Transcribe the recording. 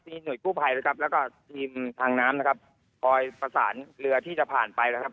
มีหน่วยกู้ภัยนะครับแล้วก็ทีมทางน้ำนะครับคอยประสานเรือที่จะผ่านไปนะครับ